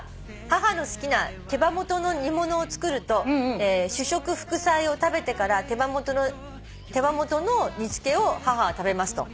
「母の好きな手羽元の煮物を作ると主食副菜を食べてから手羽元の煮付けを母は食べます」と。